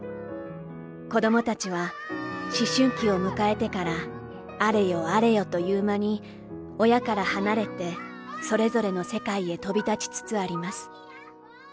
子供たちは思春期を迎えてからあれよあれよというまに親から離れて、それぞれの世界へ飛びたちつつあります。